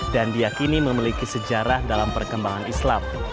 diakini memiliki sejarah dalam perkembangan islam